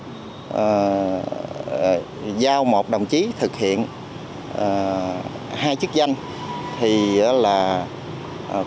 tuy nhiên giao một đồng chí thực hiện hai chức danh thì cũng băng phăng về mức độ hoàn thành nhiệm vụ